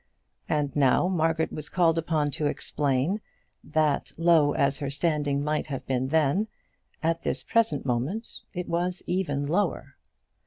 And now Margaret was called upon to explain, that low as her standing might have been then, at this present moment it was even lower.